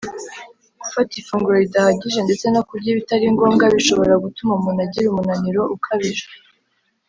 Gufata ifunguro ridahagije ndetse no kurya ibitari ngombwa bishobora gutuma umuntu agira umunaniro ukabije